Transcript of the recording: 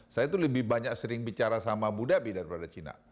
saya itu lebih banyak sering bicara sama abu dhabi daripada cina